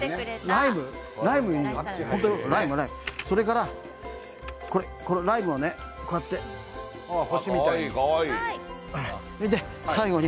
それからこのライムをねこうやって星みたいに。